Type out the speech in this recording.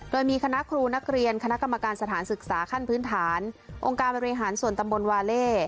โดยมีคณะครูนักเรียนคณะกรรมการสถานศึกษาขั้นพื้นฐานองค์การบริหารส่วนตำบลวาเล่